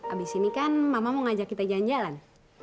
abis ini kan mama mau ngajak kita jalan jalan